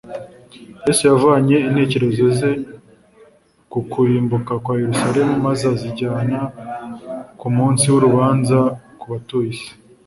yesu yavanye intekerezo ze ku kurimbuka kwa yerusalemu, maze azijyana ku munsi w’urubanza ku batuye isi